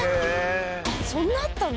そんなあったんだ。